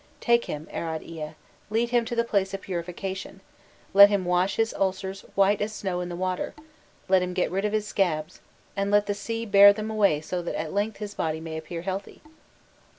Take him, Arad Ea, lead him to the place of purification, let him wash his ulcers white as snow in the water, let him get rid of his scabs, and let the sea bear them away so that at length his body may appear healthy.